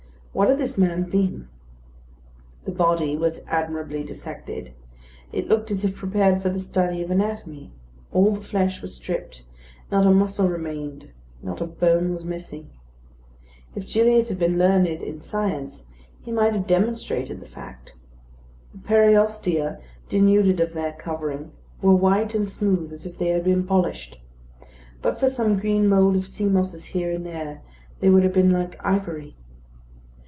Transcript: What had this man been? The body was admirably dissected; it looked as if prepared for the study of anatomy; all the flesh was stripped; not a muscle remained; not a bone was missing. If Gilliatt had been learned in science, he might have demonstrated the fact. The periostea, denuded of their covering, were white and smooth, as if they had been polished. But for some green mould of sea mosses here and there, they would have been like ivory.